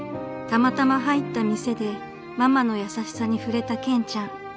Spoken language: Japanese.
たまたま入った店でママの優しさに触れた健ちゃん］